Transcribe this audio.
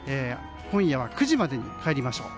今夜は９時までに帰りましょう。